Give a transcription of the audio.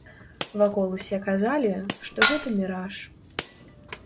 Вакол усе казалі, што гэта міраж.